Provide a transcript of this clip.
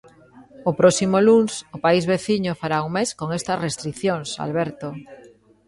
O próximo luns, o país veciño fará un mes con estas restricións, Alberto...